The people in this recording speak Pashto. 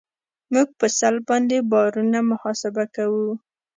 موږ په سلب باندې بارونه محاسبه کوو